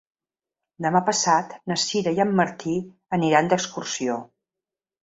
Demà passat na Sira i en Martí aniran d'excursió.